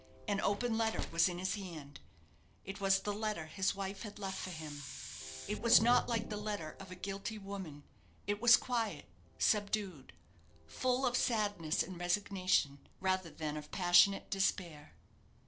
An open letter was in his hand. It was the letter his wife had left for him. It was not like the letter of a guilty woman. It was quiet, subdued; full of sadness and resignation, rather than of passionate despair.